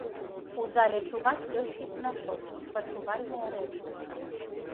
У зале чуваць лёгкі смяшок, спачувальныя рэплікі.